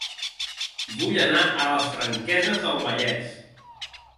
Vull anar a Les Franqueses del Vallès